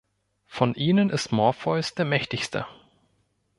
Von ihnen ist Morpheus der mächtigste.